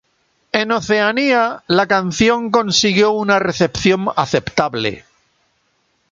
En Oceanía, la canción consiguió una recepción aceptable.